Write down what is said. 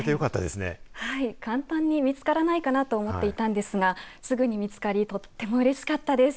簡単に見つからないかなと思っていたんですが、すぐに見つかりとってもうれしかったです。